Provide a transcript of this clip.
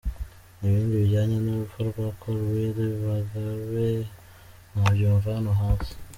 Ibindi bijyanye n’urupfu rwa Col Willy Bagabe mwabyumva hano hasi: